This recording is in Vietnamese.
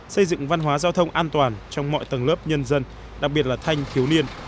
xây dựng văn hóa giao thông an toàn trong mọi tầng lớp nhân dân đặc biệt là thanh thiếu niên